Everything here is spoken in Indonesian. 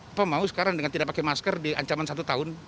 apa mau sekarang dengan tidak pakai masker di ancaman satu tahun